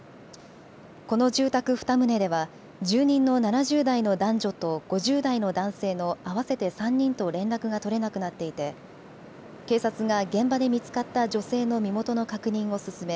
この住宅２棟では住人の７０代の男女と５０代の男性の合わせて３人と連絡が取れなくなっていて警察が現場で見つかった女性の身元の確認を進め